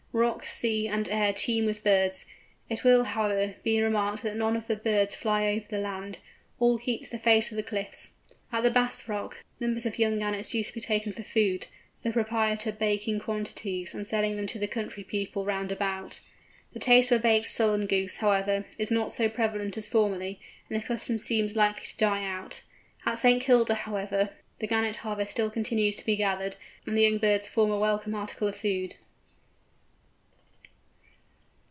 Rock, sea, and air teem with birds. It will, however, be remarked that none of the birds fly over the land; all keep to the face of the cliffs. At the Bass Rock, numbers of young Gannets used to be taken for food, the proprietor baking quantities, and selling them to the country people round about. The taste for baked Solan Geese, however, is not so prevalent as formerly, and the custom seems likely to die out. At St. Kilda, however, the Gannet harvest still continues to be gathered, and the young birds form a welcome article of food.